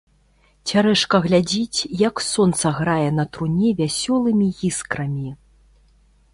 Цярэшка глядзіць, як сонца грае на труне вясёлымі іскрамі.